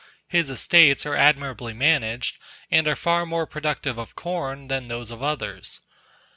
His estates are admirably managed, and are far more productive of corn than those of others.